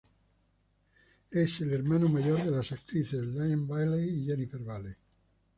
Es el hermano mayor de las actrices Lynne Valley y Jennifer Valley.